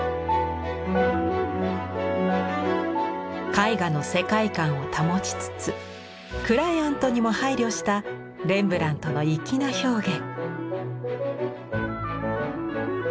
絵画の世界観を保ちつつクライアントにも配慮したレンブラントの粋な表現。